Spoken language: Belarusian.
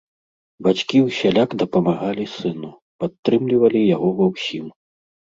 Бацькі ўсяляк дапамагалі сыну, падтрымлівалі яго ва ўсім.